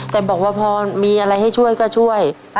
แต่บอกว่าพอมีอะไรให้ช่วยก็ช่วย